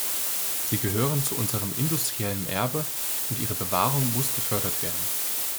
Sie gehören zu unserem industriellen Erbe, und ihre Bewahrung muss gefördert werden.